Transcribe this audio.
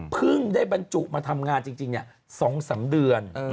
ครึ่งได้บรรจุมาทำงานจริงนี่๒๓เดือน